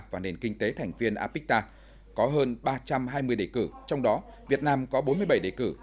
và nền kinh tế thành viên apicta có hơn ba trăm hai mươi đề cử trong đó việt nam có bốn mươi bảy đề cử